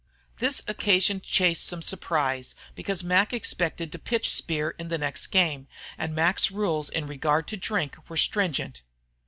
This occasioned Chase some surprise, because Mac expected to pitch Speer in the next game, and Mac's rules in regard to drink were stringent.